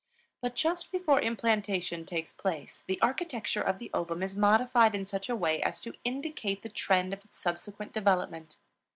But just before implantation takes place the architecture of the ovum is modified in such a way as to indicate the trend of its subsequent development.